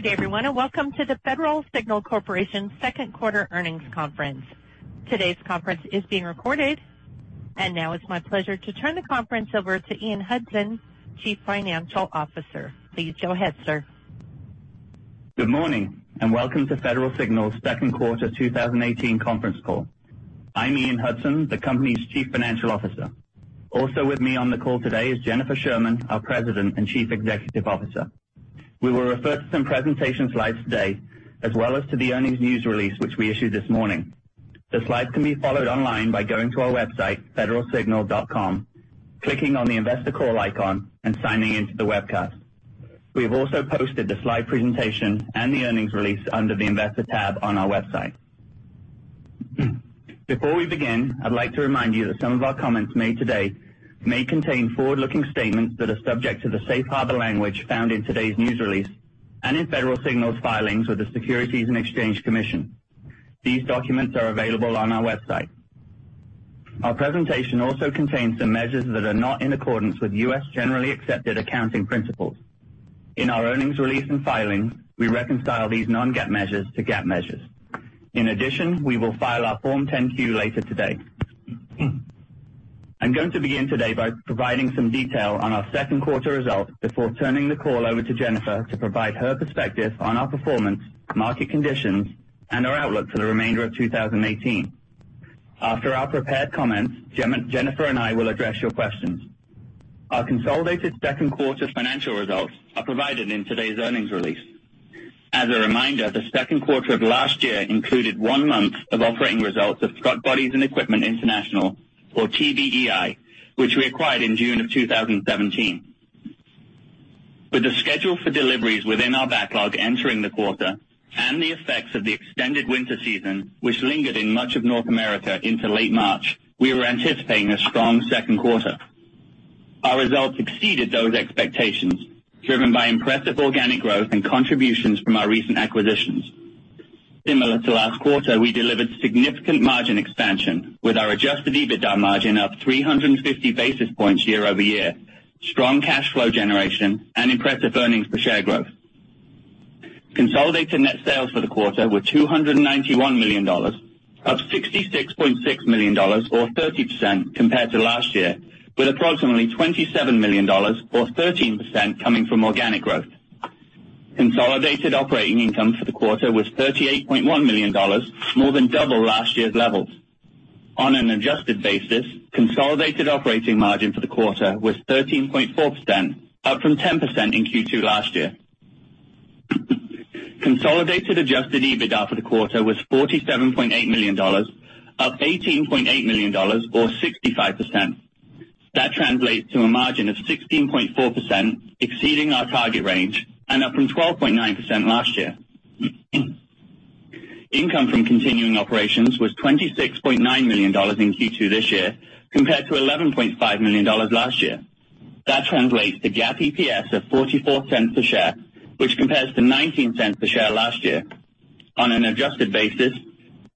Good day, everyone. Welcome to the Federal Signal Corporation's second quarter earnings conference. Today's conference is being recorded. Now it's my pleasure to turn the conference over to Ian Hudson, Chief Financial Officer. Please go ahead, sir. Good morning. Welcome to Federal Signal's second quarter 2018 conference call. I'm Ian Hudson, the company's Chief Financial Officer. Also with me on the call today is Jennifer Sherman, our President and Chief Executive Officer. We will refer to some presentation slides today, as well as to the earnings news release, which we issued this morning. The slides can be followed online by going to our website, federalsignal.com, clicking on the investor call icon, and signing into the webcast. We have also posted the slide presentation and the earnings release under the investor tab on our website. Before we begin, I'd like to remind you that some of our comments made today may contain forward-looking statements that are subject to the safe harbor language found in today's news release and in Federal Signal's filings with the Securities and Exchange Commission. These documents are available on our website. Our presentation also contains some measures that are not in accordance with U.S. Generally Accepted Accounting Principles. In our earnings release and filings, we reconcile these non-GAAP measures to GAAP measures. In addition, we will file our Form 10-Q later today. I'm going to begin today by providing some detail on our second quarter results before turning the call over to Jennifer to provide her perspective on our performance, market conditions, and our outlook for the remainder of 2018. After our prepared comments, Jennifer and I will address your questions. Our consolidated second quarter financial results are provided in today's earnings release. As a reminder, the second quarter of last year included one month of operating results of Truck Bodies and Equipment International, or TBEI, which we acquired in June of 2017. With the schedule for deliveries within our backlog entering the quarter and the effects of the extended winter season, which lingered in much of North America into late March, we were anticipating a strong second quarter. Our results exceeded those expectations, driven by impressive organic growth and contributions from our recent acquisitions. Similar to last quarter, we delivered significant margin expansion with our adjusted EBITDA margin up 350 basis points year-over-year, strong cash flow generation, and impressive earnings per share growth. Consolidated net sales for the quarter were $291 million, up $66.6 million, or 30% compared to last year, with approximately $27 million or 13% coming from organic growth. Consolidated operating income for the quarter was $38.1 million, more than double last year's levels. On an adjusted basis, consolidated operating margin for the quarter was 13.4%, up from 10% in Q2 last year. Consolidated adjusted EBITDA for the quarter was $47.8 million, up $18.8 million, or 65%. That translates to a margin of 16.4%, exceeding our target range, and up from 12.9% last year. Income from continuing operations was $26.9 million in Q2 this year, compared to $11.5 million last year. That translates to GAAP EPS of $0.44 per share, which compares to $0.19 per share last year. On an adjusted basis,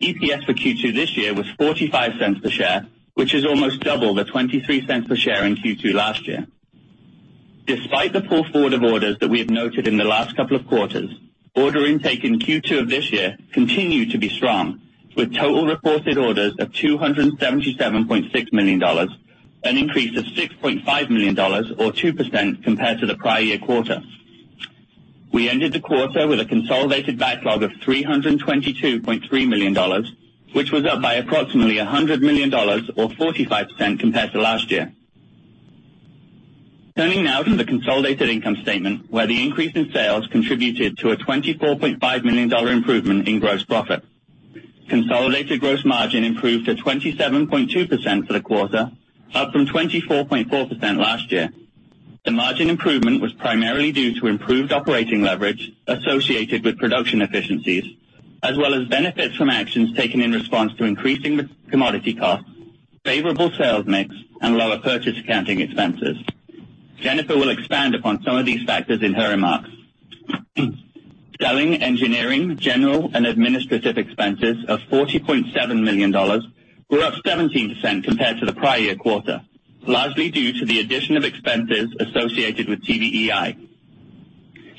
EPS for Q2 this year was $0.45 per share, which is almost double the $0.23 per share in Q2 last year. Despite the pull forward of orders that we have noted in the last couple of quarters, order intake in Q2 of this year continued to be strong with total reported orders of $277.6 million, an increase of $6.5 million or 2% compared to the prior year quarter. We ended the quarter with a consolidated backlog of $322.3 million, which was up by approximately $100 million or 45% compared to last year. Turning now to the consolidated income statement, where the increase in sales contributed to a $24.5 million improvement in gross profit. Consolidated gross margin improved to 27.2% for the quarter, up from 24.4% last year. The margin improvement was primarily due to improved operating leverage associated with production efficiencies, as well as benefits from actions taken in response to increasing commodity costs, favorable sales mix, and lower purchase accounting expenses. Jennifer will expand upon some of these factors in her remarks. Selling, General, and Administrative expenses of $40.7 million were up 17% compared to the prior year quarter, largely due to the addition of expenses associated with TBEI.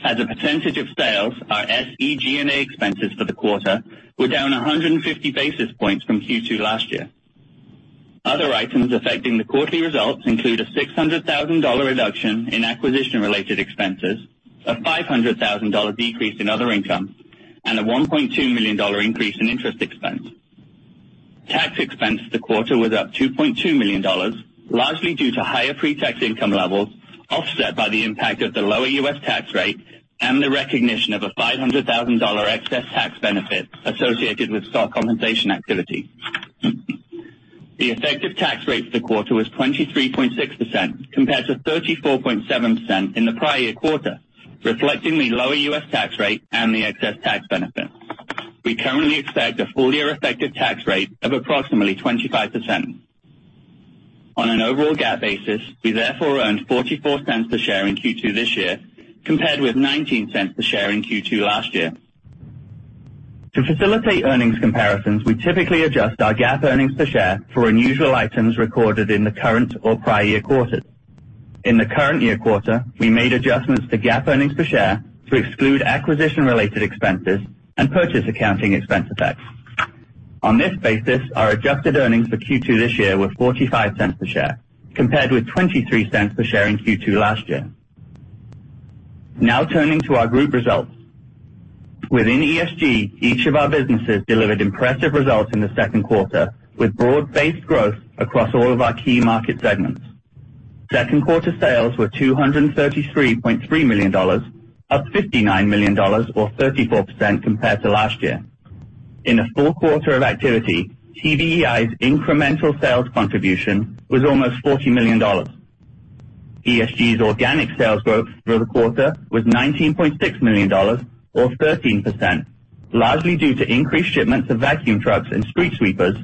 As a percentage of sales, our SG&A expenses for the quarter were down 150 basis points from Q2 last year. Other items affecting the quarterly results include a $600,000 reduction in acquisition-related expenses, a $500,000 decrease in other income, and a $1.2 million increase in interest expense. Tax expense for the quarter was up $2.2 million, largely due to higher pre-tax income levels, offset by the impact of the lower U.S. tax rate and the recognition of a $500,000 excess tax benefit associated with stock compensation activity. The effective tax rate for the quarter was 23.6% compared to 34.7% in the prior year quarter, reflecting the lower U.S. tax rate and the excess tax benefit. We currently expect a full year effective tax rate of approximately 25%. On an overall GAAP basis, we therefore earned $0.44 per share in Q2 this year, compared with $0.19 per share in Q2 last year. To facilitate earnings comparisons, we typically adjust our GAAP earnings per share for unusual items recorded in the current or prior year quarters. In the current year quarter, we made adjustments to GAAP earnings per share to exclude acquisition-related expenses and purchase accounting expense effects. On this basis, our adjusted earnings for Q2 this year were $0.45 per share, compared with $0.23 per share in Q2 last year. Now turning to our group results. Within ESG, each of our businesses delivered impressive results in the second quarter, with broad-based growth across all of our key market segments. Second quarter sales were $233.3 million, up $59 million or 34% compared to last year. In a full quarter of activity, TBEI's incremental sales contribution was almost $40 million. ESG's organic sales growth for the quarter was $19.6 million or 13%, largely due to increased shipments of vacuum trucks and street sweepers,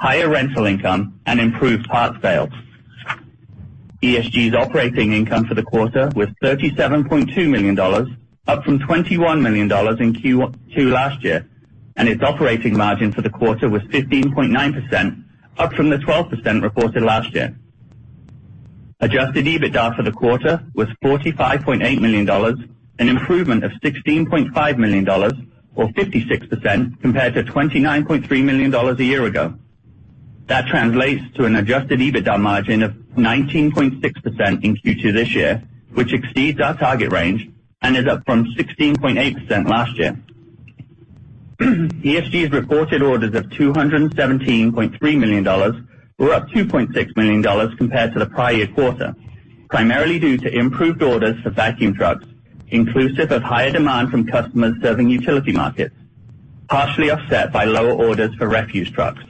higher rental income, and improved parts sales. ESG's operating income for the quarter was $37.2 million, up from $21 million in Q2 last year, and its operating margin for the quarter was 15.9%, up from the 12% reported last year. Adjusted EBITDA for the quarter was $45.8 million, an improvement of $16.5 million or 56% compared to $29.3 million a year ago. That translates to an adjusted EBITDA margin of 19.6% in Q2 this year, which exceeds our target range and is up from 16.8% last year. ESG's reported orders of $217.3 million were up $2.6 million compared to the prior year quarter, primarily due to improved orders for vacuum trucks, inclusive of higher demand from customers serving utility markets, partially offset by lower orders for refuse trucks.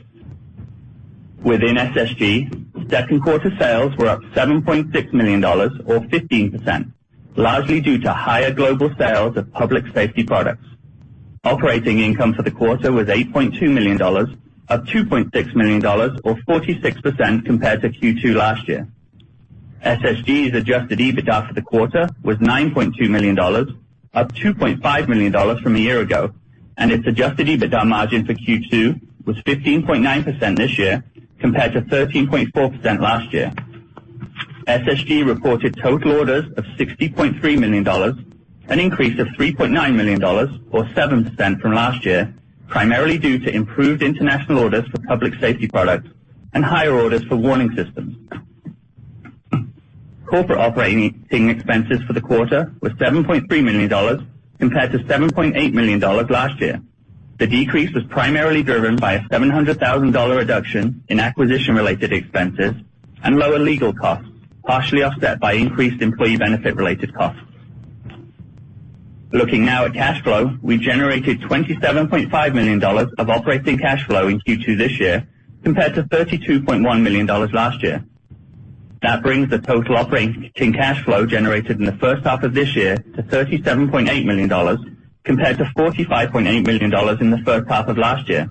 Within SSG, second quarter sales were up $7.6 million or 15%, largely due to higher global sales of public safety products. Operating income for the quarter was $8.2 million, up $2.6 million or 46% compared to Q2 last year. SSG's adjusted EBITDA for the quarter was $9.2 million, up $2.5 million from a year ago, and its adjusted EBITDA margin for Q2 was 15.9% this year, compared to 13.4% last year. SSG reported total orders of $60.3 million, an increase of $3.9 million or 7% from last year, primarily due to improved international orders for public safety products and higher orders for warning systems. Corporate operating expenses for the quarter were $7.3 million compared to $7.8 million last year. The decrease was primarily driven by a $700,000 reduction in acquisition-related expenses and lower legal costs, partially offset by increased employee benefit-related costs. Looking now at cash flow. We generated $27.5 million of operating cash flow in Q2 this year, compared to $32.1 million last year. That brings the total operating cash flow generated in the first half of this year to $37.8 million, compared to $45.8 million in the first half of last year.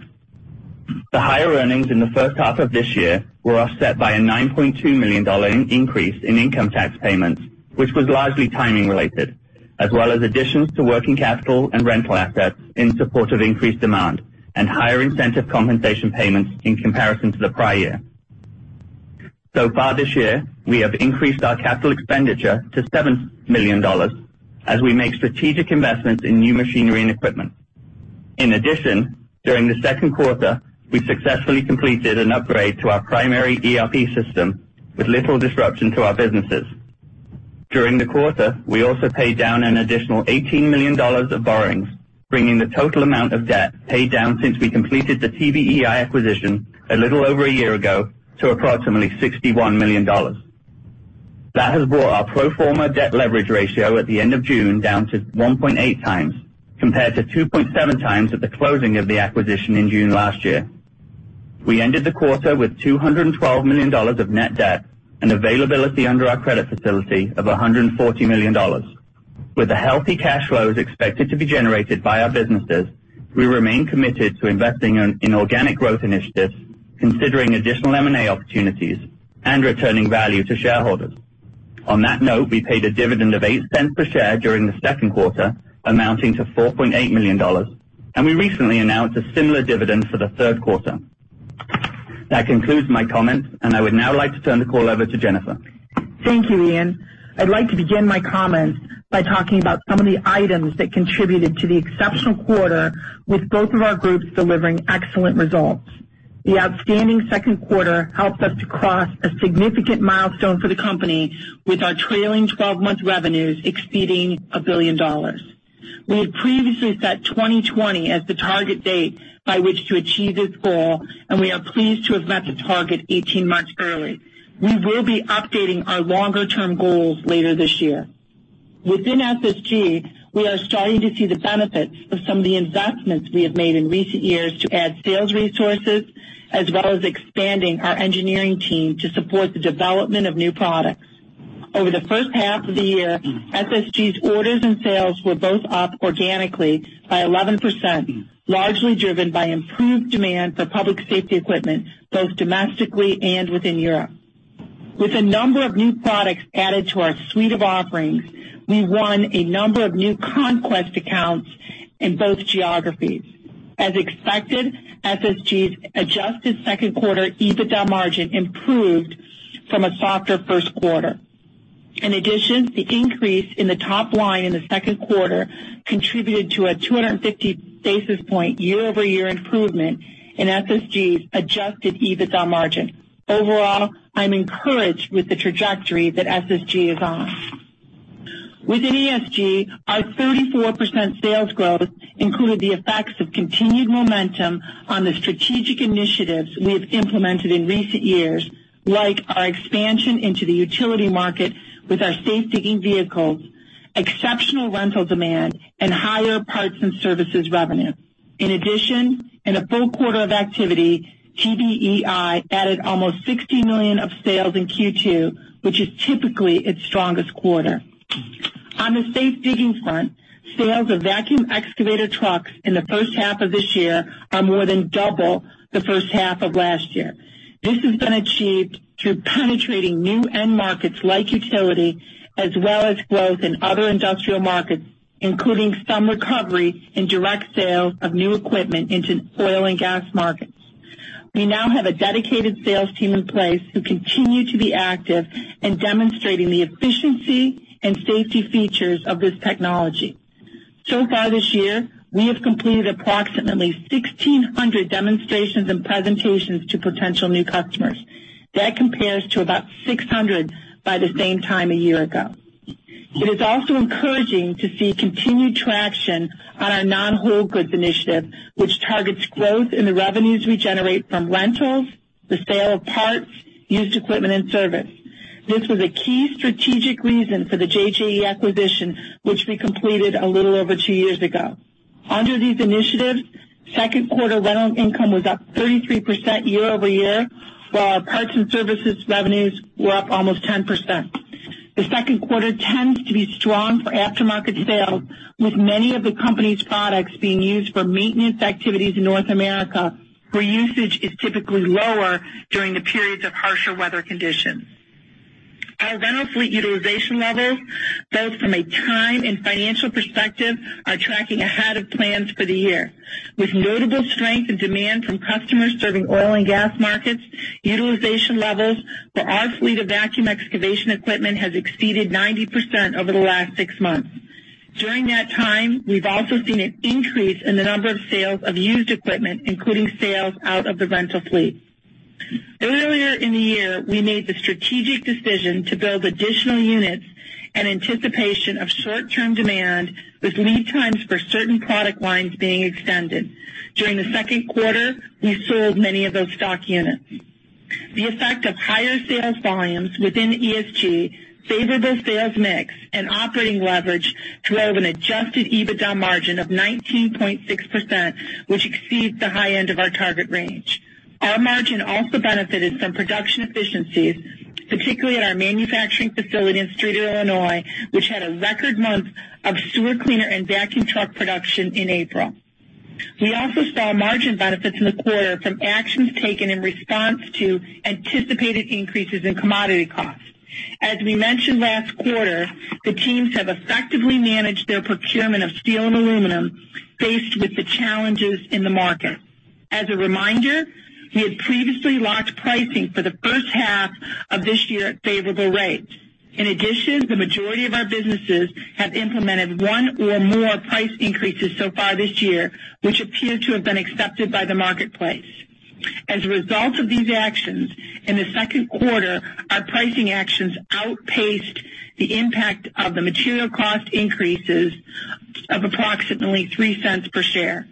The higher earnings in the first half of this year were offset by a $9.2 million increase in income tax payments, which was largely timing related, as well as additions to working capital and rental assets in support of increased demand and higher incentive compensation payments in comparison to the prior year. Far this year, we have increased our capital expenditure to $7 million as we make strategic investments in new machinery and equipment. In addition, during the second quarter, we successfully completed an upgrade to our primary ERP system with little disruption to our businesses. During the quarter, we also paid down an additional $18 million of borrowings, bringing the total amount of debt paid down since we completed the TBEI acquisition a little over a year ago to approximately $61 million. That has brought our pro forma debt leverage ratio at the end of June down to 1.8 times, compared to 2.7 times at the closing of the acquisition in June last year. We ended the quarter with $212 million of net debt and availability under our credit facility of $140 million. With the healthy cash flows expected to be generated by our businesses, we remain committed to investing in organic growth initiatives, considering additional M&A opportunities and returning value to shareholders. On that note, we paid a dividend of $0.08 per share during the second quarter, amounting to $4.8 million, and we recently announced a similar dividend for the third quarter. That concludes my comments, and I would now like to turn the call over to Jennifer. Thank you, Ian. I'd like to begin my comments by talking about some of the items that contributed to the exceptional quarter with both of our groups delivering excellent results. The outstanding second quarter helped us to cross a significant milestone for the company, with our trailing 12-month revenues exceeding $1 billion. We had previously set 2020 as the target date by which to achieve this goal, and we are pleased to have met the target 18 months early. We will be updating our longer-term goals later this year. Within SSG, we are starting to see the benefits of some of the investments we have made in recent years to add sales resources, as well as expanding our engineering team to support the development of new products. Over the first half of the year, SSG's orders and sales were both up organically by 11%, largely driven by improved demand for public safety equipment both domestically and within Europe. With a number of new products added to our suite of offerings, we won a number of new conquest accounts in both geographies. As expected, SSG's adjusted second quarter EBITDA margin improved from a softer first quarter. In addition, the increase in the top line in the second quarter contributed to a 250 basis point year-over-year improvement in SSG's adjusted EBITDA margin. Overall, I'm encouraged with the trajectory that SSG is on. Within ESG, our 34% sales growth included the effects of continued momentum on the strategic initiatives we have implemented in recent years, like our expansion into the utility market with our safe digging vehicles, exceptional rental demand, and higher parts and services revenue. In addition, in a full quarter of activity, TBEI added almost $60 million of sales in Q2, which is typically its strongest quarter. On the safe digging front, sales of vacuum excavator trucks in the first half of this year are more than double the first half of last year. This has been achieved through penetrating new end markets like utility, as well as growth in other industrial markets, including some recovery in direct sales of new equipment into oil and gas markets. We now have a dedicated sales team in place who continue to be active in demonstrating the efficiency and safety features of this technology. So far this year, we have completed approximately 1,600 demonstrations and presentations to potential new customers. That compares to about 600 by the same time a year ago. It is also encouraging to see continued traction on our non-whole goods initiative, which targets growth in the revenues we generate from rentals, the sale of parts, used equipment, and service. This was a key strategic reason for the JJE acquisition, which we completed a little over two years ago. Under these initiatives, second quarter rental income was up 33% year-over-year, while our parts and services revenues were up almost 10%. The second quarter tends to be strong for aftermarket sales, with many of the company's products being used for maintenance activities in North America, where usage is typically lower during the periods of harsher weather conditions. Our rental fleet utilization levels, both from a time and financial perspective, are tracking ahead of plans for the year. With notable strength in demand from customers serving oil and gas markets, utilization levels for our fleet of vacuum excavation equipment has exceeded 90% over the last six months. During that time, we've also seen an increase in the number of sales of used equipment, including sales out of the rental fleet. Earlier in the year, we made the strategic decision to build additional units in anticipation of short-term demand, with lead times for certain product lines being extended. During the second quarter, we sold many of those stock units. The effect of higher sales volumes within ESG, favorable sales mix, and operating leverage drove an adjusted EBITDA margin of 19.6%, which exceeds the high end of our target range. Our margin also benefited from production efficiencies, particularly at our manufacturing facility in Streator, Illinois, which had a record month of sewer cleaner and vacuum truck production in April. We also saw margin benefits in the quarter from actions taken in response to anticipated increases in commodity costs. As we mentioned last quarter, the teams have effectively managed their procurement of steel and aluminum faced with the challenges in the market. As a reminder, we had previously locked pricing for the first half of this year at favorable rates. In addition, the majority of our businesses have implemented one or more price increases so far this year, which appear to have been accepted by the marketplace. As a result of these actions, in the second quarter, our pricing actions outpaced the impact of the material cost increases of approximately $0.03 per share.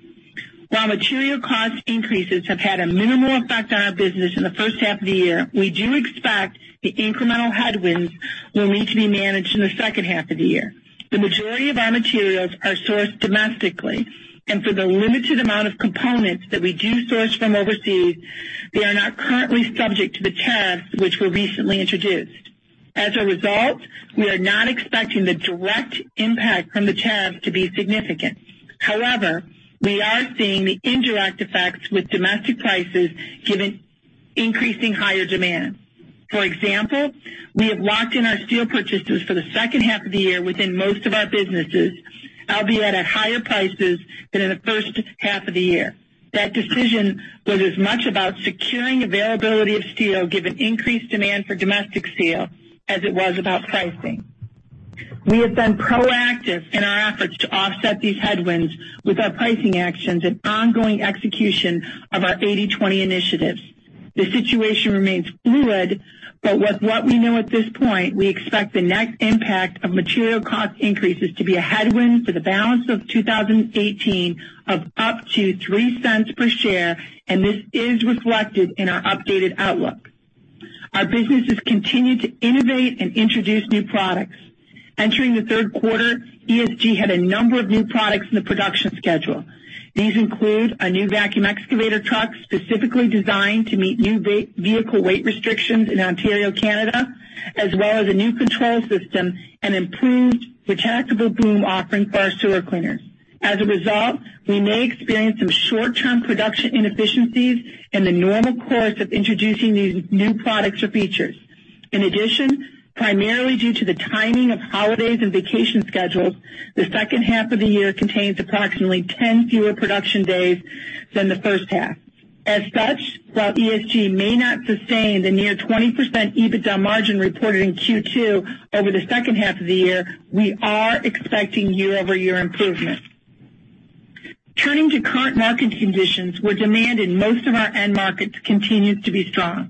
While material cost increases have had a minimal effect on our business in the first half of the year, we do expect the incremental headwinds will need to be managed in the second half of the year. The majority of our materials are sourced domestically, and for the limited amount of components that we do source from overseas, they are not currently subject to the tariffs which were recently introduced. As a result, we are not expecting the direct impact from the tariffs to be significant. However, we are seeing the indirect effects with domestic prices given increasing higher demand. For example, we have locked in our steel purchases for the second half of the year within most of our businesses, albeit at higher prices than in the first half of the year. That decision was as much about securing availability of steel, given increased demand for domestic steel, as it was about pricing. We have been proactive in our efforts to offset these headwinds with our pricing actions and ongoing execution of our 80/20 initiatives. The situation remains fluid, but with what we know at this point, we expect the net impact of material cost increases to be a headwind for the balance of 2018 of up to $0.03 per share, and this is reflected in our updated outlook. Our businesses continue to innovate and introduce new products. Entering the third quarter, ESG had a number of new products in the production schedule. These include a new vacuum excavator truck specifically designed to meet new vehicle weight restrictions in Ontario, Canada, as well as a new control system and improved retractable boom offering for our sewer cleaners. As a result, we may experience some short-term production inefficiencies in the normal course of introducing these new products or features. In addition, primarily due to the timing of holidays and vacation schedules, the second half of the year contains approximately 10 fewer production days than the first half. As such, while ESG may not sustain the near 20% EBITDA margin reported in Q2 over the second half of the year, we are expecting year-over-year improvement. Turning to current market conditions where demand in most of our end markets continues to be strong.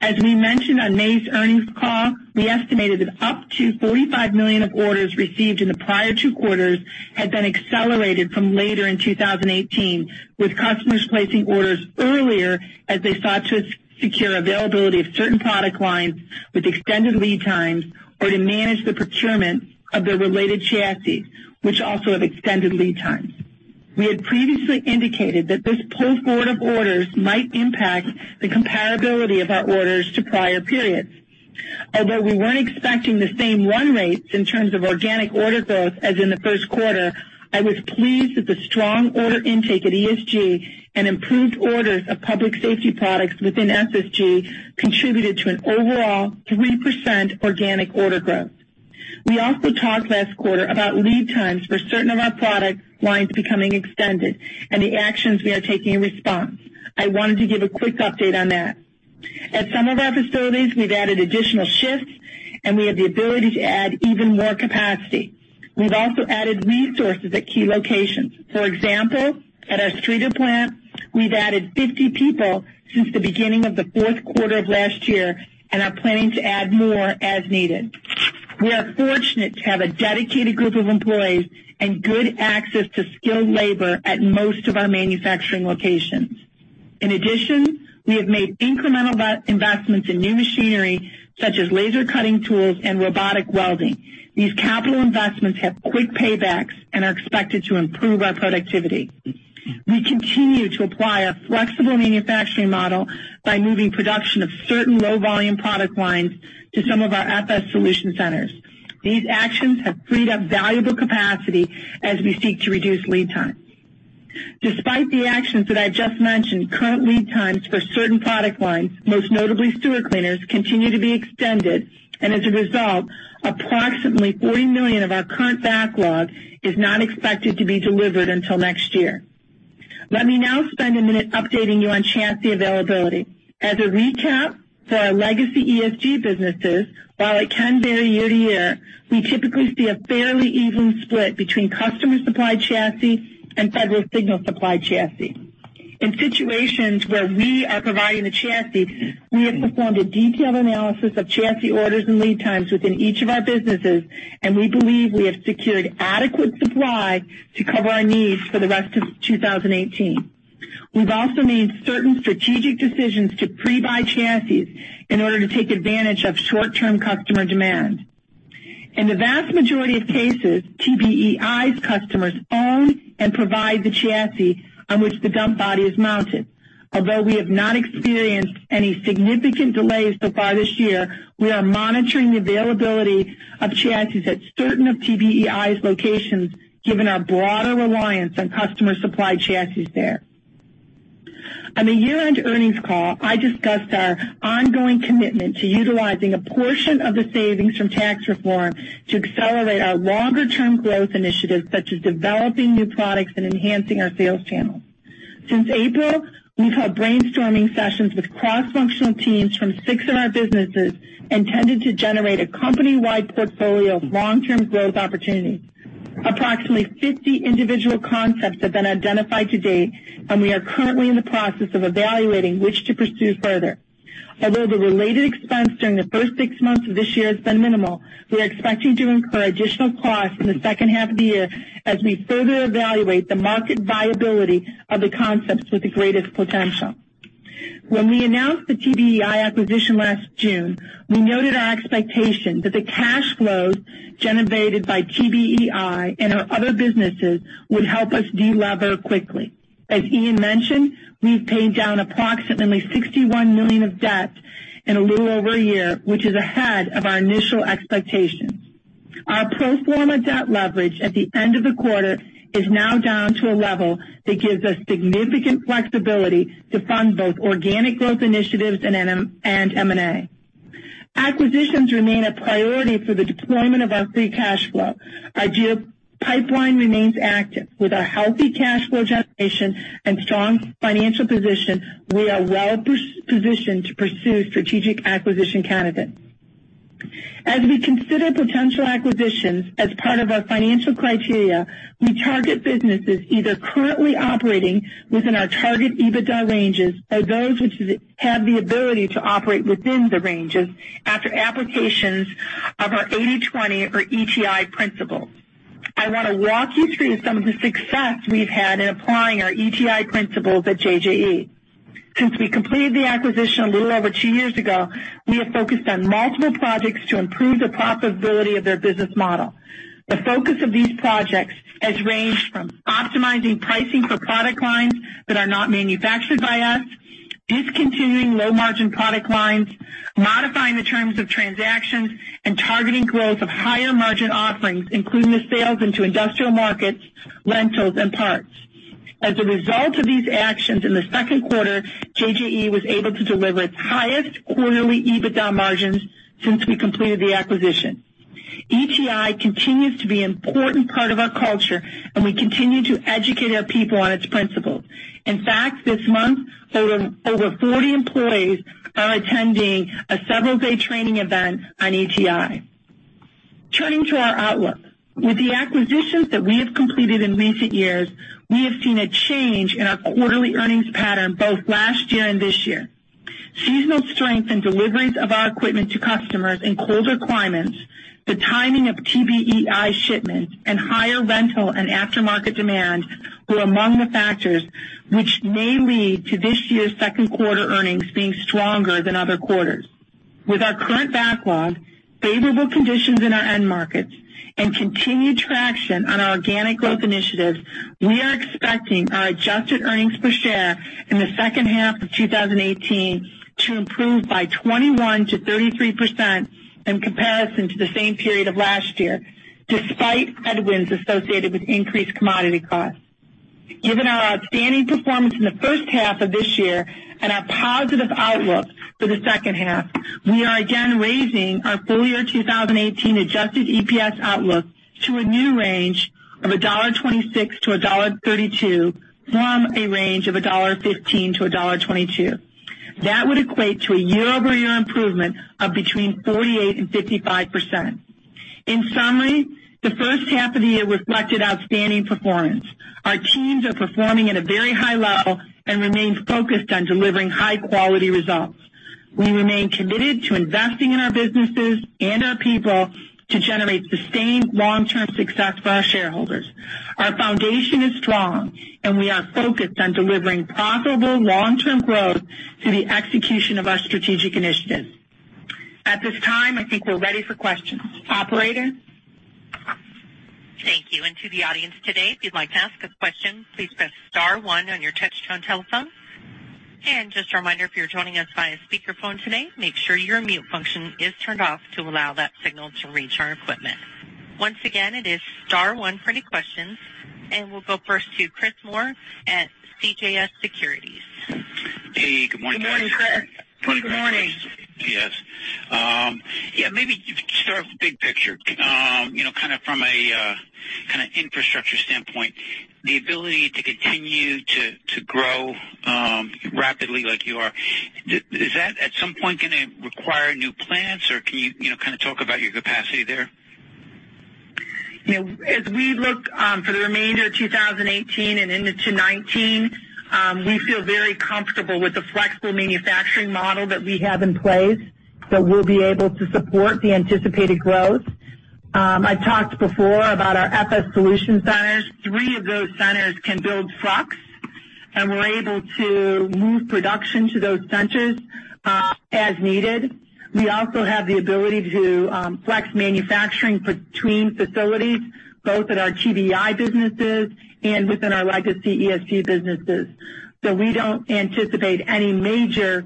As we mentioned on May's earnings call, we estimated that up to $45 million of orders received in the prior two quarters had been accelerated from later in 2018, with customers placing orders earlier as they sought to secure availability of certain product lines with extended lead times or to manage the procurement of their related chassis, which also have extended lead times. We had previously indicated that this pull forward of orders might impact the comparability of our orders to prior periods. Although we weren't expecting the same run rates in terms of organic order growth as in the first quarter, I was pleased that the strong order intake at ESG and improved orders of public safety products within SSG contributed to an overall 3% organic order growth. We also talked last quarter about lead times for certain of our product lines becoming extended and the actions we are taking in response. I wanted to give a quick update on that. At some of our facilities, we've added additional shifts, and we have the ability to add even more capacity. We've also added resources at key locations. For example, at our Streator plant, we've added 50 people since the beginning of the fourth quarter of last year and are planning to add more as needed. We are fortunate to have a dedicated group of employees and good access to skilled labor at most of our manufacturing locations. In addition, we have made incremental investments in new machinery such as laser cutting tools and robotic welding. These capital investments have quick paybacks and are expected to improve our productivity. We continue to apply a flexible manufacturing model by moving production of certain low-volume product lines to some of our FS Solutions centers. These actions have freed up valuable capacity as we seek to reduce lead time. Despite the actions that I just mentioned, current lead times for certain product lines, most notably sewer cleaners, continue to be extended, and as a result, approximately $40 million of our current backlog is not expected to be delivered until next year. Let me now spend a minute updating you on chassis availability. As a recap, for our legacy ESG businesses, while it can vary year-to-year, we typically see a fairly even split between customer-supplied chassis and Federal Signal supplied chassis. In situations where we are providing the chassis, we have performed a detailed analysis of chassis orders and lead times within each of our businesses, and we believe we have secured adequate supply to cover our needs for the rest of 2018. We've also made certain strategic decisions to pre-buy chassis in order to take advantage of short-term customer demand. In the vast majority of cases, TBEI's customers own and provide the chassis on which the dump body is mounted. Although we have not experienced any significant delays so far this year, we are monitoring the availability of chassis at certain of TBEI's locations, given our broader reliance on customer-supplied chassis there. On the year-end earnings call, I discussed our ongoing commitment to utilizing a portion of the savings from tax reform to accelerate our longer-term growth initiatives, such as developing new products and enhancing our sales channels. Since April, we've held brainstorming sessions with cross-functional teams from six of our businesses intended to generate a company-wide portfolio of long-term growth opportunities. Approximately 50 individual concepts have been identified to date, and we are currently in the process of evaluating which to pursue further. Although the related expense during the first six months of this year has been minimal, we are expecting to incur additional costs in the second half of the year as we further evaluate the market viability of the concepts with the greatest potential. When we announced the TBEI acquisition last June, we noted our expectation that the cash flows generated by TBEI and our other businesses would help us de-lever quickly. As Ian mentioned, we've paid down approximately $61 million of debt in a little over a year, which is ahead of our initial expectations. Our pro forma debt leverage at the end of the quarter is now down to a level that gives us significant flexibility to fund both organic growth initiatives and M&A. Acquisitions remain a priority for the deployment of our free cash flow. Our deal pipeline remains active. With our healthy cash flow generation and strong financial position, we are well-positioned to pursue strategic acquisition candidates. As we consider potential acquisitions as part of our financial criteria, we target businesses either currently operating within our target EBITDA ranges or those which have the ability to operate within the ranges after applications of our 80/20 or ETI principles. I want to walk you through some of the success we've had in applying our ETI principles at JJE. Since we completed the acquisition a little over two years ago, we have focused on multiple projects to improve the profitability of their business model. The focus of these projects has ranged from optimizing pricing for product lines that are not manufactured by us. Discontinuing low-margin product lines, modifying the terms of transactions, and targeting growth of higher-margin offerings, including the sales into industrial markets, rentals, and parts. As a result of these actions in the second quarter, JJE was able to deliver its highest quarterly EBITDA margins since we completed the acquisition. ETI continues to be an important part of our culture, and we continue to educate our people on its principles. In fact, this month, over 40 employees are attending a several-day training event on ETI. Turning to our outlook. With the acquisitions that we have completed in recent years, we have seen a change in our quarterly earnings pattern both last year and this year. Seasonal strength in deliveries of our equipment to customers in colder climates, the timing of TBEI shipments, and higher rental and aftermarket demand were among the factors which may lead to this year's second quarter earnings being stronger than other quarters. With our current backlog, favorable conditions in our end markets, and continued traction on our organic growth initiatives, we are expecting our adjusted earnings per share in the second half of 2018 to improve by 21%-33% in comparison to the same period of last year, despite headwinds associated with increased commodity costs. Given our outstanding performance in the first half of this year and our positive outlook for the second half, we are again raising our full-year 2018 adjusted EPS outlook to a new range of $1.26-$1.32 from a range of $1.15-$1.22. That would equate to a year-over-year improvement of between 48% and 55%. In summary, the first half of the year reflected outstanding performance. Our teams are performing at a very high level and remain focused on delivering high-quality results. We remain committed to investing in our businesses and our people to generate sustained long-term success for our shareholders. Our foundation is strong, and we are focused on delivering profitable long-term growth through the execution of our strategic initiatives. At this time, I think we're ready for questions. Operator? Thank you. To the audience today, if you'd like to ask a question, please press star one on your touch-tone telephone. Just a reminder, if you're joining us via speakerphone today, make sure your mute function is turned off to allow that signal to reach our equipment. Once again, it is star one for any questions, and we'll go first to Chris Moore at CJS Securities. Hey, good morning. Good morning, Chris. Good morning. Yes. Maybe you can start with big picture. From a kind of infrastructure standpoint, the ability to continue to grow rapidly like you are, is that at some point going to require new plants, or can you kind of talk about your capacity there? As we look for the remainder of 2018 and into 2019, we feel very comfortable with the flexible manufacturing model that we have in place that we'll be able to support the anticipated growth. I've talked before about our FS Solutions centers. Three of those centers can build trucks, and we're able to move production to those centers as needed. We also have the ability to flex manufacturing between facilities, both at our TBEI businesses and within our legacy ESG businesses. We don't anticipate any major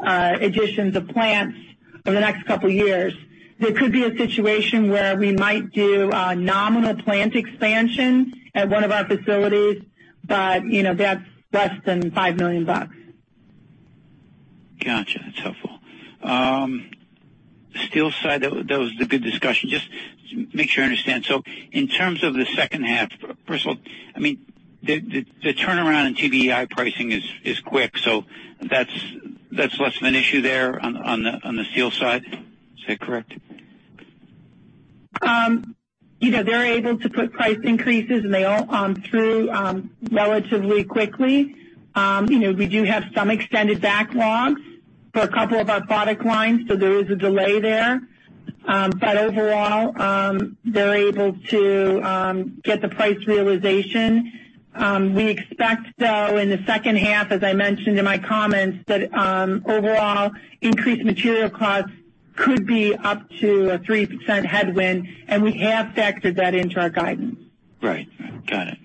additions of plants over the next couple of years. There could be a situation where we might do a nominal plant expansion at one of our facilities, but that's less than $5 million. Got you. That's helpful. The steel side, that was a good discussion. Just to make sure I understand. In terms of the second half, first of all, the turnaround in TBEI pricing is quick, so that's less of an issue there on the steel side. Is that correct? They're able to put price increases through relatively quickly. We do have some extended backlogs for a couple of our product lines, so there is a delay there. Overall, they're able to get the price realization. We expect, though, in the second half, as I mentioned in my comments, that overall increased material costs could be up to a $0.03 per share headwind, and we have factored that into our guidance. Right. Got it.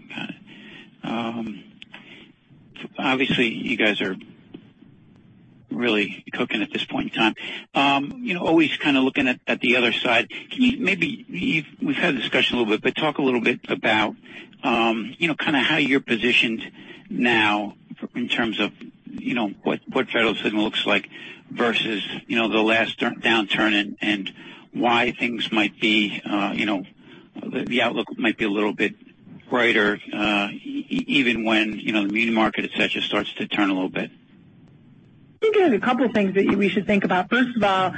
Obviously, you guys are really cooking at this point in time. Always kind of looking at the other side, we've had a discussion a little bit, but talk a little bit about how you're positioned now in terms of what Federal Signal looks like versus the last downturn and why the outlook might be a little bit brighter even when the market, et cetera, starts to turn a little bit. I think there's a couple things that we should think about. First of all,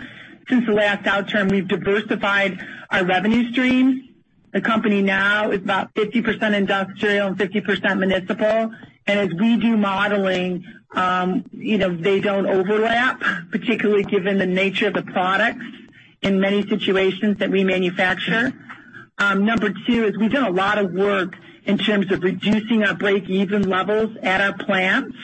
since the last downturn, we've diversified our revenue streams. The company now is about 50% industrial and 50% municipal. As we do modeling, they don't overlap, particularly given the nature of the products in many situations that we manufacture. Number 2 is we've done a lot of work in terms of reducing our break-even levels at our plants.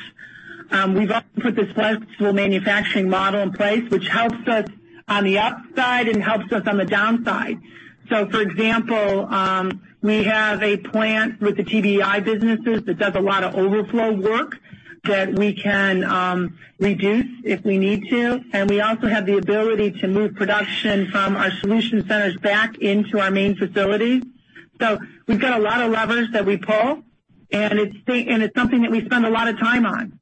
We've also put this flexible manufacturing model in place, which helps us on the upside and helps us on the downside. For example, we have a plant with the TBEI businesses that does a lot of overflow work that we can reduce if we need to, and we also have the ability to move production from our solution centers back into our main facility. We've got a lot of levers that we pull, and it's something that we spend a lot of time on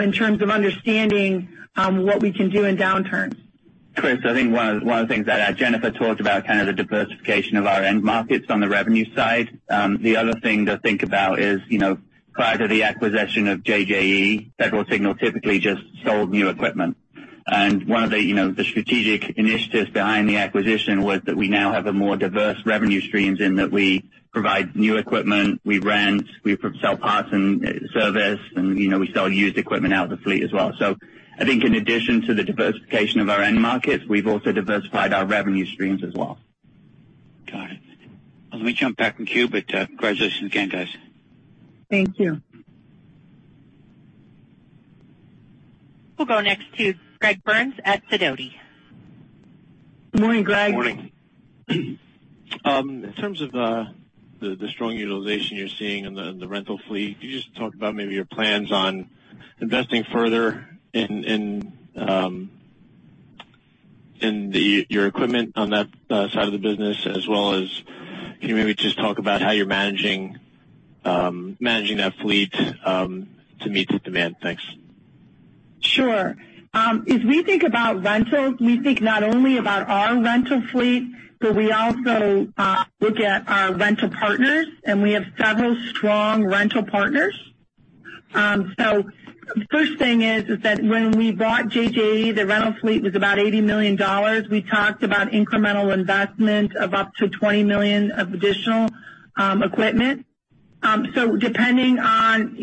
in terms of understanding what we can do in downturns. Chris, I think one of the things that Jennifer talked about, the diversification of our end markets on the revenue side. The other thing to think about is prior to the acquisition of JJE, Federal Signal typically just sold new equipment. One of the strategic initiatives behind the acquisition was that we now have more diverse revenue streams in that we provide new equipment, we rent, we sell parts and service, and we sell used equipment out of the fleet as well. I think in addition to the diversification of our end markets, we've also diversified our revenue streams as well. Got it. Let me jump back in queue, congratulations again, guys. Thank you. We'll go next to Greg Burns at Sidoti. Good morning, Greg. Morning. In terms of the strong utilization you're seeing in the rental fleet, could you just talk about maybe your plans on investing further in your equipment on that side of the business as well as can you maybe just talk about how you're managing that fleet to meet the demand? Thanks. Sure. As we think about rentals, we think not only about our rental fleet, but we also look at our rental partners, and we have several strong rental partners. The first thing is that when we bought JJE, the rental fleet was about $80 million. We talked about incremental investment of up to $20 million of additional equipment. Depending on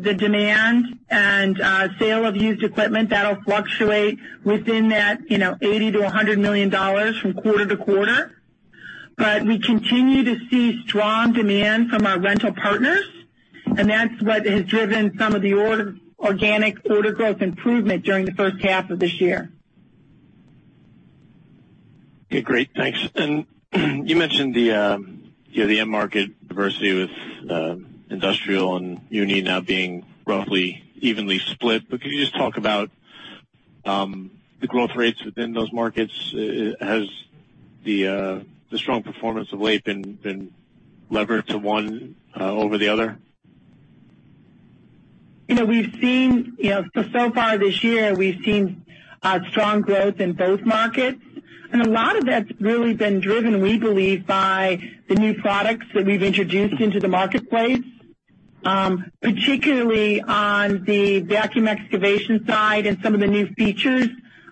the demand and sale of used equipment, that'll fluctuate within that $80 million-$100 million from quarter to quarter. We continue to see strong demand from our rental partners, and that's what has driven some of the organic order growth improvement during the first half of this year. Okay, great. Thanks. You mentioned the end market diversity with industrial and muni now being roughly evenly split, but could you just talk about the growth rates within those markets? Has the strong performance of late been levered to one over the other? Far this year, we've seen strong growth in both markets. A lot of that's really been driven, we believe, by the new products that we've introduced into the marketplace, particularly on the vacuum excavation side and some of the new features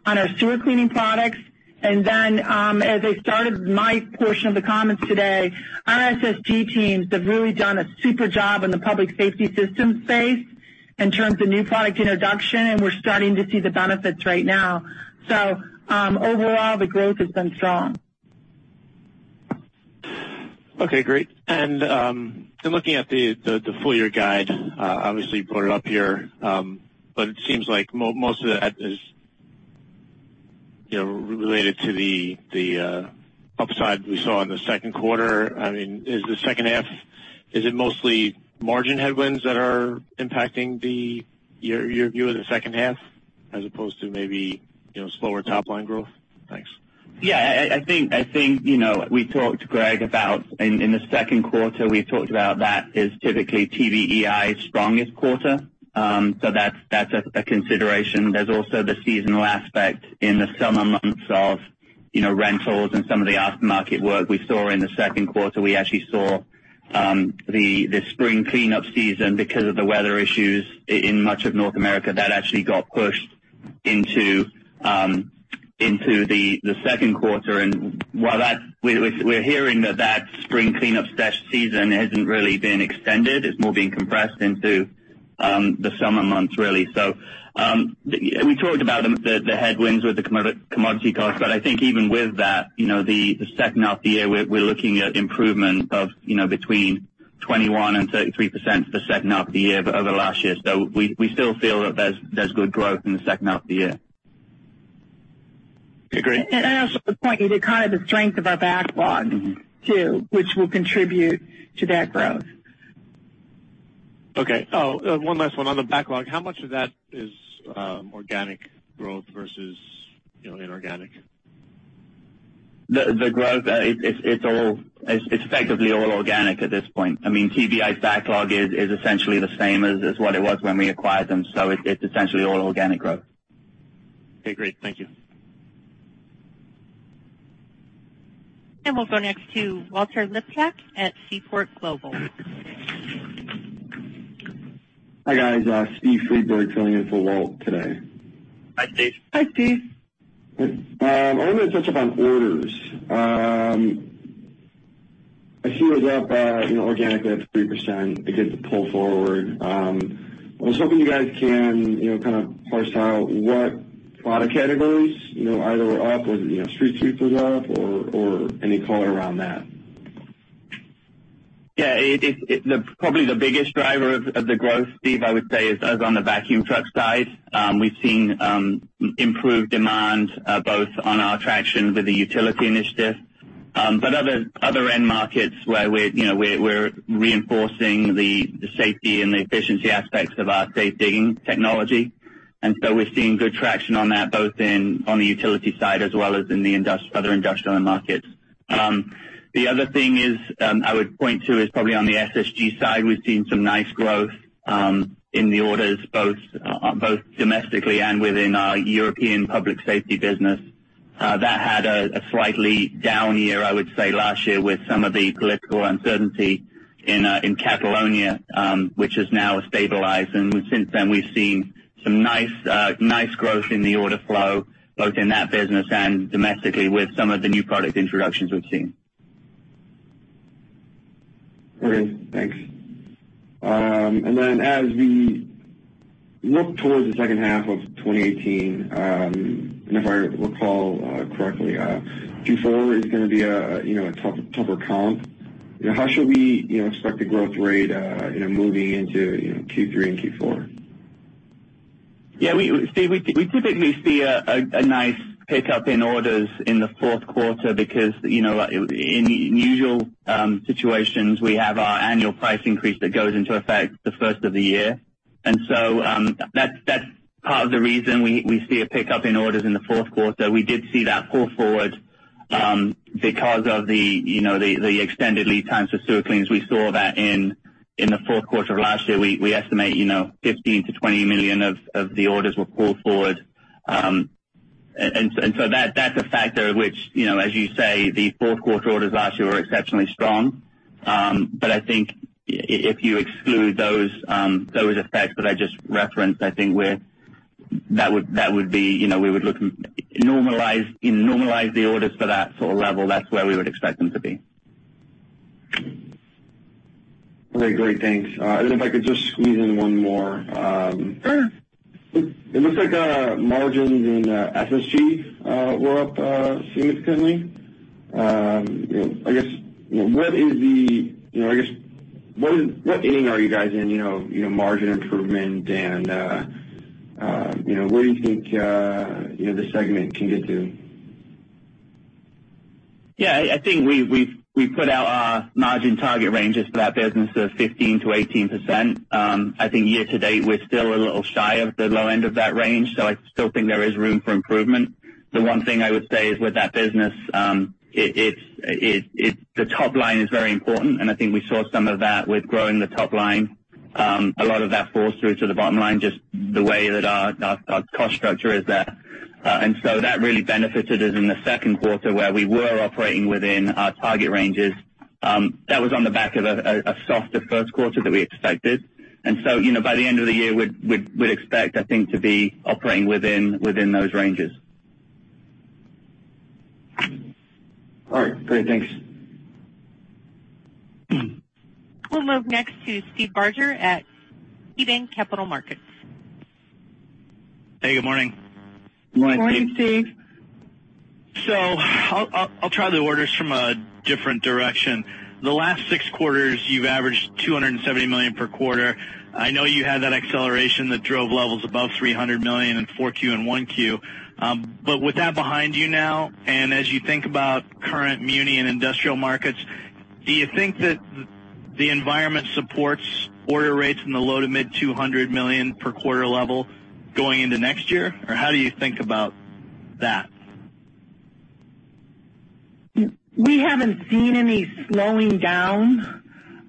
on our sewer cleaning products. Then, as I started my portion of the comments today, our SSG teams have really done a super job in the public safety systems space in terms of new product introduction, and we're starting to see the benefits right now. Overall, the growth has been strong. Okay, great. Looking at the full year guide, obviously you brought it up here, but it seems like most of that is related to the upside we saw in the second quarter. Is the second half, is it mostly margin headwinds that are impacting your view of the second half as opposed to maybe slower top-line growth? Thanks. I think, we talked, Greg, about in the second quarter, we talked about that is typically TBEI's strongest quarter. That's a consideration. There's also the seasonal aspect in the summer months of rentals and some of the aftermarket work we saw in the second quarter. We actually saw the spring cleanup season because of the weather issues in much of North America, that actually got pushed into the second quarter. While we're hearing that spring cleanup/season hasn't really been extended, it's more being compressed into the summer months, really. We talked about the headwinds with the commodity costs, I think even with that, the second half of the year, we're looking at improvement of between 21% and 33% for the second half of the year over last year. We still feel that there's good growth in the second half of the year. Okay, great. I'd also point you to the strength of our backlog too, which will contribute to that growth. Okay. One last one on the backlog. How much of that is organic growth versus inorganic? The growth, it's effectively all organic at this point. TBEI's backlog is essentially the same as what it was when we acquired them. It's essentially all organic growth. Okay, great. Thank you. We'll go next to Walter Liptak at Seaport Global. Hi, guys. Steven Friedberg filling in for Walt today. Hi, Steven. Hi, Steven. I wanted to touch up on orders. I see it was up organically up 3% because of pull forward. I was hoping you guys can parse out what product categories either were up or street sweepers were up or any color around that. Yeah. Probably the biggest driver of the growth, Steven, I would say, is on the vacuum truck side. We've seen improved demand both on our traction with the utility initiative, but other end markets where we're reinforcing the safety and the efficiency aspects of our safe digging technology. We're seeing good traction on that, both on the utility side as well as in the other industrial end markets. The other thing is, I would point to is probably on the SSG side, we've seen some nice growth in the orders, both domestically and within our European public safety business. That had a slightly down year, I would say, last year with some of the political uncertainty in Catalonia, which has now stabilized. Since then we've seen some nice growth in the order flow, both in that business and domestically with some of the new product introductions we've seen. Okay, thanks. As we look towards the second half of 2018, and if I recall correctly, Q4 is going to be a tougher comp. How should we expect the growth rate moving into Q3 and Q4? Yeah, Steven, we typically see a nice pickup in orders in the fourth quarter because in usual situations, we have our annual price increase that goes into effect the first of the year. That's part of the reason we see a pickup in orders in the fourth quarter. We did see that pull forward because of the extended lead times for sewer cleaners. We saw that in the fourth quarter of last year. We estimate $15 million-$20 million of the orders were pulled forward. That's a factor which as you say, the fourth quarter orders last year were exceptionally strong. I think if you exclude those effects that I just referenced, I think we would normalize the orders for that sort of level. That's where we would expect them to be. Okay, great. Thanks. If I could just squeeze in one more. Sure. It looks like margins in SSG were up significantly. I guess, what inning are you guys in margin improvement and where do you think the segment can get to? Yeah, I think we've put out our margin target ranges for that business of 15%-18%. I think year-to-date, we're still a little shy of the low end of that range, so I still think there is room for improvement. The one thing I would say is with that business, the top line is very important, and I think we saw some of that with growing the top line. A lot of that falls through to the bottom line, just the way that our cost structure is there. That really benefited us in the second quarter where we were operating within our target ranges. That was on the back of a softer first quarter that we expected. By the end of the year, we'd expect, I think, to be operating within those ranges. All right, great. Thanks. We'll move next to Steven Barger at KeyBanc Capital Markets. Hey, good morning. Good morning, Steve. Good morning, Steve. I'll try the orders from a different direction. The last six quarters, you've averaged $270 million per quarter. I know you had that acceleration that drove levels above $300 million in 4Q and 1Q. With that behind you now, and as you think about current muni and industrial markets, do you think that the environment supports order rates in the low to mid $200 million per quarter level going into next year? How do you think about that? We haven't seen any slowing down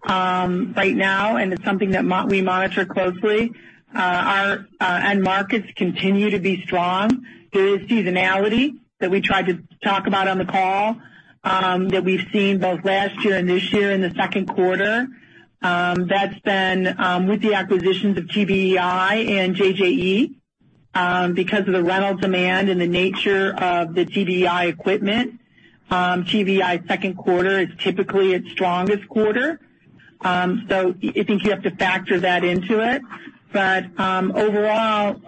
right now, and it's something that we monitor closely. Our end markets continue to be strong. There is seasonality that we tried to talk about on the call that we've seen both last year and this year in the second quarter. That's been with the acquisitions of TBEI and JJE. Because of the rental demand and the nature of the TBEI equipment, TBEI's second quarter is typically its strongest quarter. I think you have to factor that into it. Overall,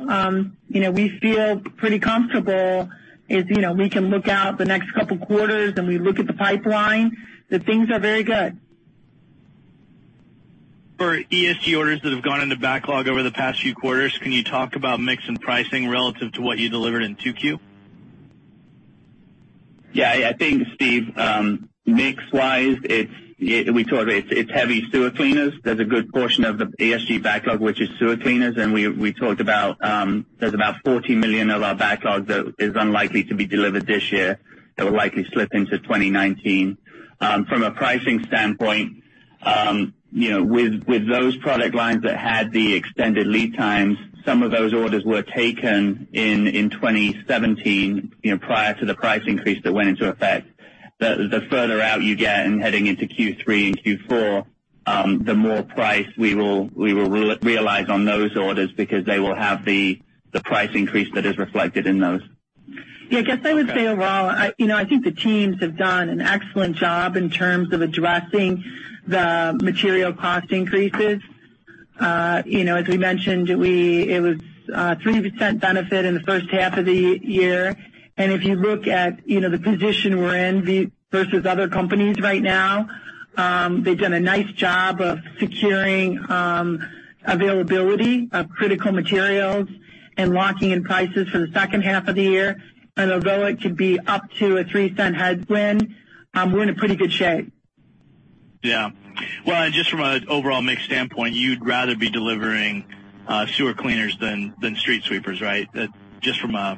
we feel pretty comfortable as we can look out the next couple of quarters and we look at the pipeline, that things are very good. For ESG orders that have gone into backlog over the past few quarters, can you talk about mix and pricing relative to what you delivered in 2Q? I think, Steve, mix-wise, we talked, it's heavy sewer cleaners. There's a good portion of the ESG backlog, which is sewer cleaners, and we talked about there's about $40 million of our backlog that is unlikely to be delivered this year, that will likely slip into 2019. From a pricing standpoint, with those product lines that had the extended lead times, some of those orders were taken in 2017, prior to the price increase that went into effect. The further out you get in heading into Q3 and Q4, the more price we will realize on those orders because they will have the price increase that is reflected in those. I guess I would say overall, I think the teams have done an excellent job in terms of addressing the material cost increases As we mentioned, it was a 3% benefit in the first half of the year. If you look at the position we're in versus other companies right now, they've done a nice job of securing availability of critical materials and locking in prices for the second half of the year. Although it could be up to a $0.03 headwind, we're in pretty good shape. Yeah. Well, just from an overall mix standpoint, you'd rather be delivering sewer cleaners than street sweepers, right? Just from a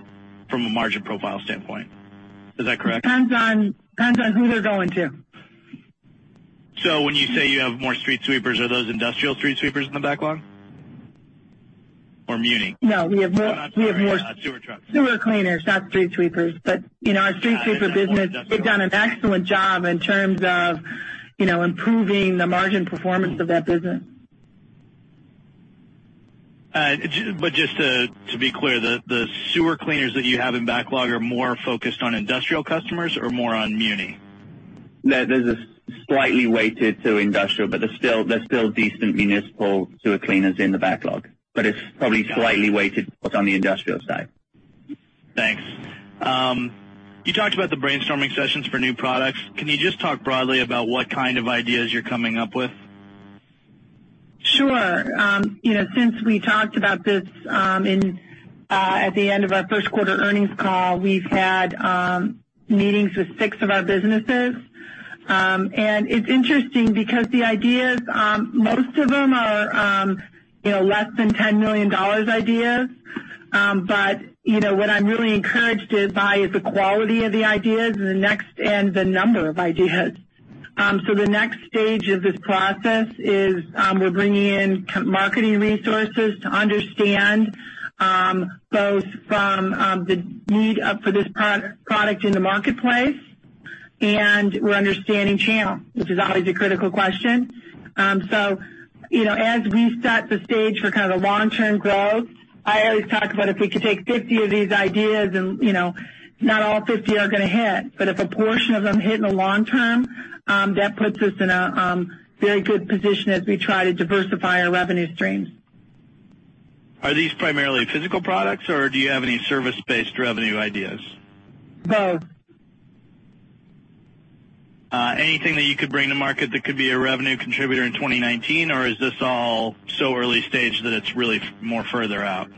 margin profile standpoint. Is that correct? Depends on who they're going to. When you say you have more street sweepers, are those industrial street sweepers in the backlog? Or muni? No, we have more. Sorry, sewer trucks. sewer cleaners, not street sweepers. Our street sweeper business, they've done an excellent job in terms of improving the margin performance of that business. Just to be clear, the sewer cleaners that you have in backlog are more focused on industrial customers or more on muni? No, this is slightly weighted to industrial, but they're still decent municipal sewer cleaners in the backlog. It's probably slightly weighted both on the industrial side. Thanks. You talked about the brainstorming sessions for new products. Can you just talk broadly about what kind of ideas you're coming up with? Sure. Since we talked about this at the end of our first quarter earnings call, we've had meetings with six of our businesses. It's interesting because the ideas, most of them are less than $10 million ideas. What I'm really encouraged by is the quality of the ideas and the number of ideas. The next stage of this process is we're bringing in marketing resources to understand both from the need for this product in the marketplace, and we're understanding channel, which is always a critical question. As we set the stage for kind of the long-term growth, I always talk about if we could take 50 of these ideas, and not all 50 are going to hit, but if a portion of them hit in the long term, that puts us in a very good position as we try to diversify our revenue streams. Are these primarily physical products, or do you have any service-based revenue ideas? Both. Anything that you could bring to market that could be a revenue contributor in 2019? Is this all so early stage that it's really more further out?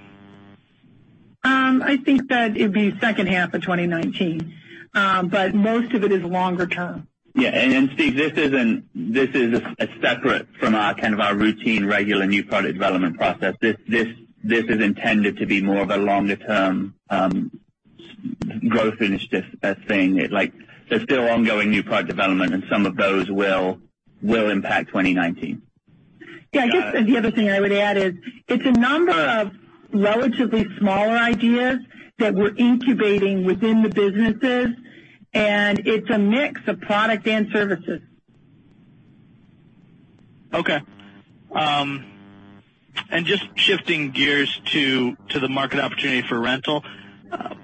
I think that it'd be second half of 2019. Most of it is longer term. Yeah. Steve, this is separate from our kind of our routine, regular new product development process. This is intended to be more of a longer-term growth initiative thing. There's still ongoing new product development, and some of those will impact 2019. Yeah, I guess the other thing I would add is it's a number of relatively smaller ideas that we're incubating within the businesses, and it's a mix of product and services. Okay. Just shifting gears to the market opportunity for rental. What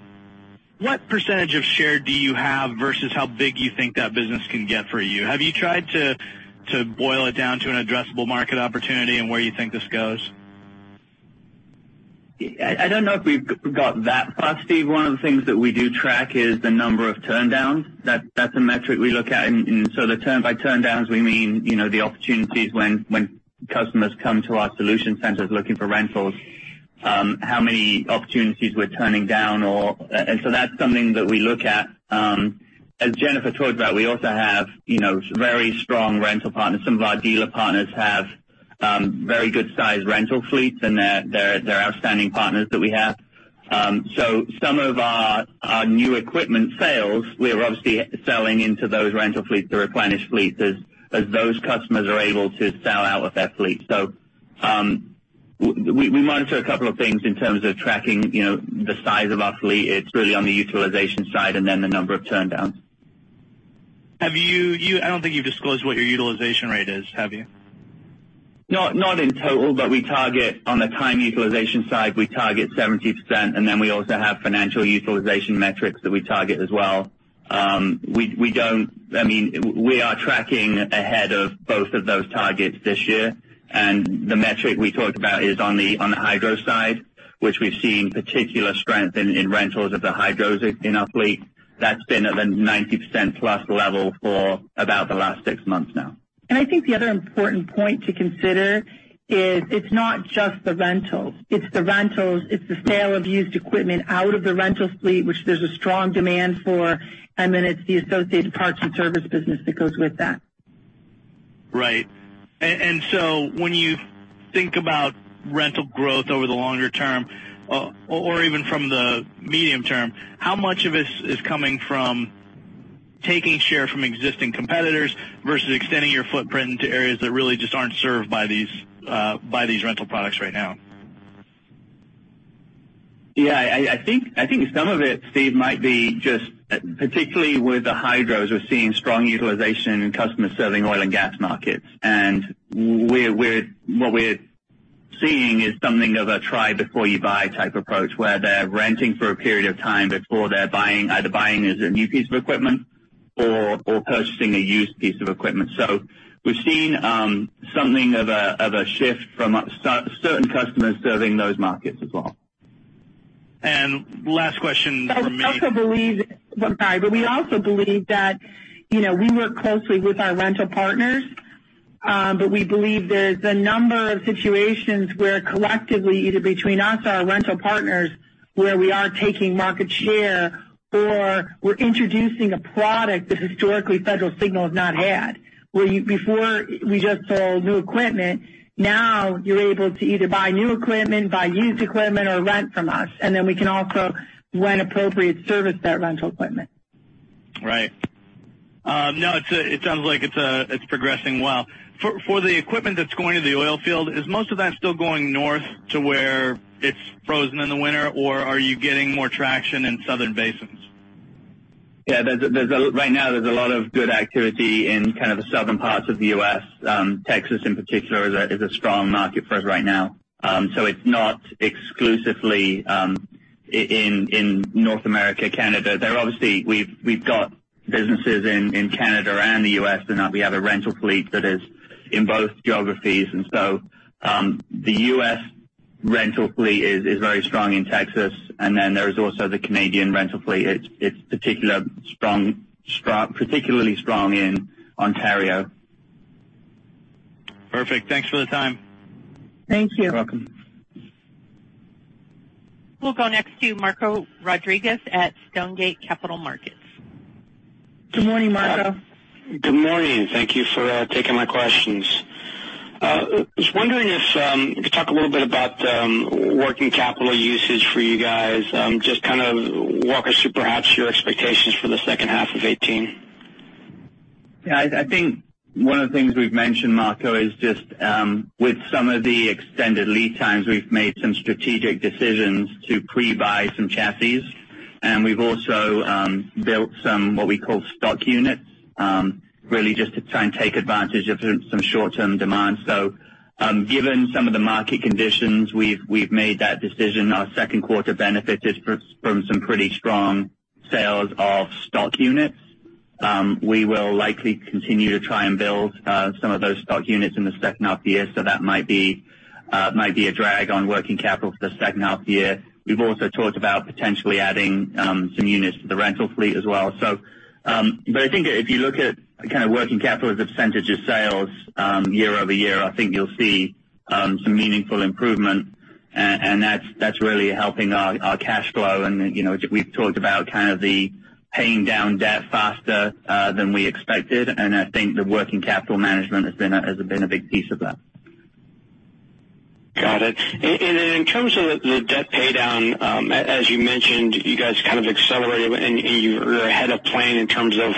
% of share do you have versus how big you think that business can get for you? Have you tried to boil it down to an addressable market opportunity and where you think this goes? I don't know if we've got that, Steve. One of the things that we do track is the number of turndowns. That's a metric we look at. By turndowns, we mean the opportunities when customers come to our solution centers looking for rentals, how many opportunities we're turning down. That's something that we look at. As Jennifer talked about, we also have very strong rental partners. Some of our dealer partners have very good sized rental fleets, and they're outstanding partners that we have. Some of our new equipment sales, we're obviously selling into those rental fleets to replenish fleets as those customers are able to sell out of their fleet. We monitor a couple of things in terms of tracking the size of our fleet. It's really on the utilization side and then the number of turndowns. I don't think you've disclosed what your utilization rate is, have you? Not in total, but on the time utilization side, we target 70%, and then we also have financial utilization metrics that we target as well. We are tracking ahead of both of those targets this year, and the metric we talked about is on the Hydro-Excavators side, which we've seen particular strength in rentals of the Hydro-Excavators in our fleet. That's been at the 90%-plus level for about the last six months now. I think the other important point to consider is it's not just the rentals, it's the rentals, it's the sale of used equipment out of the rental fleet, which there's a strong demand for, and then it's the associated parts and service business that goes with that. Right. When you think about rental growth over the longer term or even from the medium term, how much of this is coming from taking share from existing competitors versus extending your footprint into areas that really just aren't served by these rental products right now? I think some of it, Steve, might be just particularly with the Hydro-Excavators, we're seeing strong utilization in customers serving oil and gas markets. What we're seeing is something of a try before you buy type approach, where they're renting for a period of time before they're either buying as a new piece of equipment or purchasing a used piece of equipment. We've seen something of a shift from certain customers serving those markets as well. Last question for me. We also believe Sorry, we also believe that we work closely with our rental partners. We believe there's a number of situations where collectively, either between us or our rental partners, where we are taking market share or we're introducing a product that historically Federal Signal has not had. Where before we just sold new equipment, now you're able to either buy new equipment, buy used equipment, or rent from us, we can also, when appropriate, service that rental equipment. Right. No, it sounds like it's progressing well. For the equipment that's going to the oil field, is most of that still going north to where it's frozen in the winter, or are you getting more traction in southern basins? Right now there's a lot of good activity in kind of the southern parts of the U.S. Texas in particular is a strong market for us right now. It's not exclusively in North America, Canada. Obviously, we've got businesses in Canada and the U.S., and we have a rental fleet that is in both geographies. The U.S. rental fleet is very strong in Texas. There's also the Canadian rental fleet. It's particularly strong in Ontario. Perfect. Thanks for the time. Thank you. You're welcome. We'll go next to Marco Rodriguez at Stonegate Capital Markets. Good morning, Marco. Good morning. Thank you for taking my questions. I was wondering if you could talk a little bit about working capital usage for you guys. Just kind of walk us through, perhaps, your expectations for the second half of 2018. I think one of the things we've mentioned, Marco, is just with some of the extended lead times, we've made some strategic decisions to pre-buy some chassis, and we've also built some, what we call stock units, really just to try and take advantage of some short-term demand. Given some of the market conditions, we've made that decision. Our second quarter benefited from some pretty strong sales of stock units. We will likely continue to try and build some of those stock units in the second half of the year, so that might be a drag on working capital for the second half of the year. We've also talked about potentially adding some units to the rental fleet as well. I think if you look at kind of working capital as a percentage of sales year-over-year, I think you'll see some meaningful improvement, and that's really helping our cash flow. We've talked about kind of the paying down debt faster than we expected, and I think the working capital management has been a big piece of that. Got it. In terms of the debt pay down, as you mentioned, you guys kind of accelerated and you're ahead of plan in terms of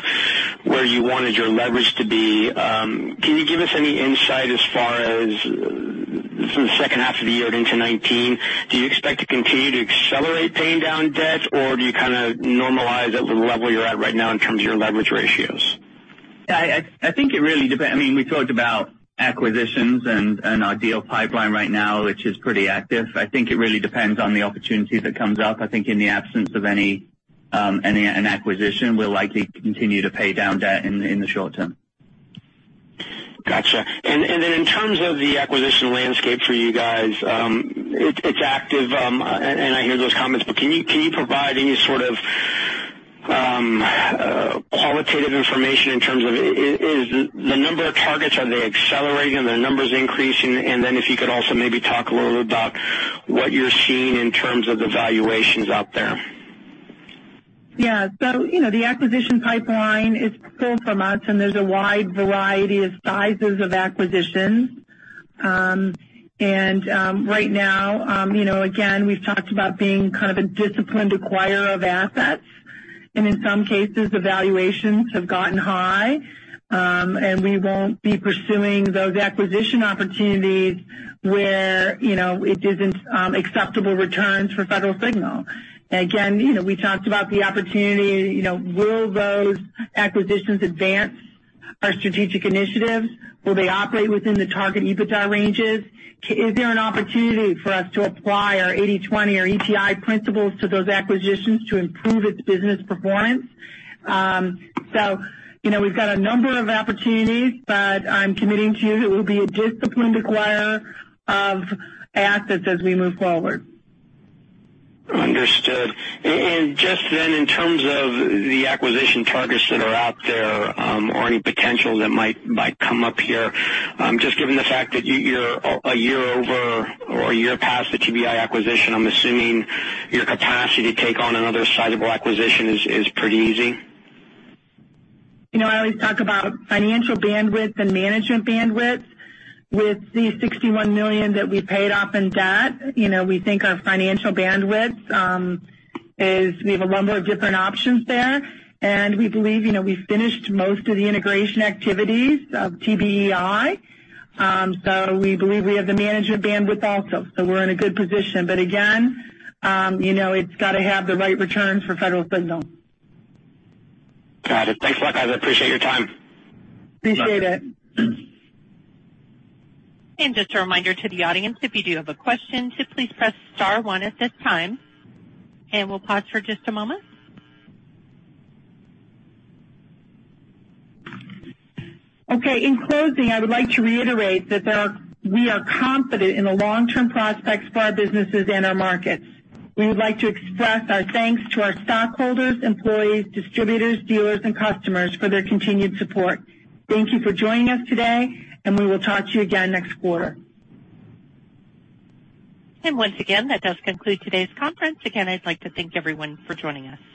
where you wanted your leverage to be. Can you give us any insight as far as through the second half of the year and into 2019? Do you expect to continue to accelerate paying down debt, or do you kind of normalize at the level you're at right now in terms of your leverage ratios? I think it really depends. We talked about acquisitions and our deal pipeline right now, which is pretty active. I think it really depends on the opportunity that comes up. I think in the absence of an acquisition, we'll likely continue to pay down debt in the short term. Got you. In terms of the acquisition landscape for you guys, it's active and I hear those comments, can you provide any sort of qualitative information in terms of the number of targets? Are they accelerating? Are their numbers increasing? If you could also maybe talk a little bit about what you're seeing in terms of the valuations out there. The acquisition pipeline is full for months, there's a wide variety of sizes of acquisitions. Right now, again, we've talked about being kind of a disciplined acquirer of assets, and in some cases, the valuations have gotten high. We won't be pursuing those acquisition opportunities where it isn't acceptable returns for Federal Signal. Again, we talked about the opportunity. Will those acquisitions advance our strategic initiatives? Will they operate within the target EBITDA ranges? Is there an opportunity for us to apply our 80/20 or ETI principles to those acquisitions to improve its business performance? We've got a number of opportunities, but I'm committing to you that we'll be a disciplined acquirer of assets as we move forward. Understood. In terms of the acquisition targets that are out there, or any potential that might come up here, just given the fact that you're a year past the TBEI acquisition, I'm assuming your capacity to take on another sizable acquisition is pretty easy. I always talk about financial bandwidth and management bandwidth. With the $61 million that we paid off in debt, we think our financial bandwidth is we have a number of different options there, and we believe we've finished most of the integration activities of TBEI. We believe we have the management bandwidth also. We're in a good position. Again, it's got to have the right returns for Federal Signal. Got it. Thanks a lot, guys. I appreciate your time. Appreciate it. Just a reminder to the audience, if you do have a question, to please press star one at this time. We'll pause for just a moment. Okay, in closing, I would like to reiterate that we are confident in the long-term prospects for our businesses and our markets. We would like to express our thanks to our stockholders, employees, distributors, dealers, and customers for their continued support. Thank you for joining us today. We will talk to you again next quarter. Once again, that does conclude today's conference. Again, I'd like to thank everyone for joining us.